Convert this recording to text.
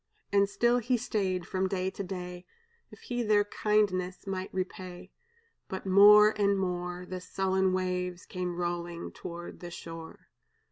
"And still he stayed from day to day, If he their kindness might repay; But more and more The sullen waves came rolling toward the shore.